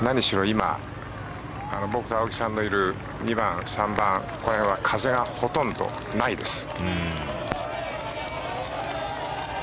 今僕と青木さんがいる２番、３番風がほとんどないです。